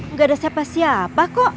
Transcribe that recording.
nggak ada siapa siapa kok